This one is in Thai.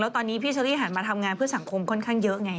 ตอนนี้พี่เชอรี่หันมาทำงานเพื่อสังคมค่อนข้างเยอะไง